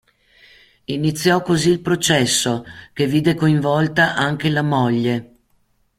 Iniziò così il processo, che vide coinvolta anche la moglie.